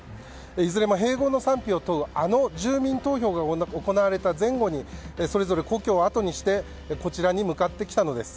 いずれも、併合の賛否を問うあの住民投票が行われた前後にそれぞれ故郷をあとにしてこちらに向かってきたのです。